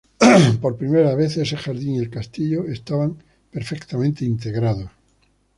Por primera vez, ese jardín y el castillo estaban perfectamente integrados.